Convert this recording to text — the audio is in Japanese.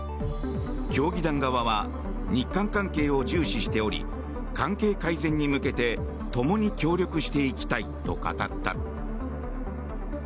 協議団側は日韓関係を重視しており関係改善に向けてともに協力していきたいと語った。